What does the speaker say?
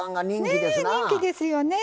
ねえ人気ですよね。